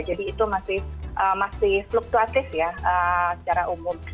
jadi itu masih masih fluktuatif ya secara umum